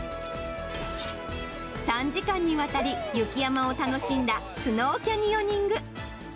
３時間にわたり雪山を楽しんだスノーキャニオニング。